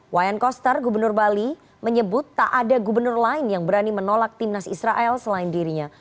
wayan koster gubernur bali menyebut tak ada gubernur lain yang berani menolak timnas israel selain dirinya